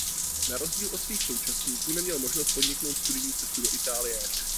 Na rozdíl od svých současníků neměl možnost podniknout studijní cestu do Itálie.